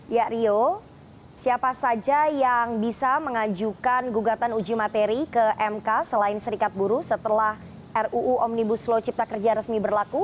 ya rio siapa saja yang bisa mengajukan gugatan uji materi ke mk selain serikat buruh setelah ruu omnibus law cipta kerja resmi berlaku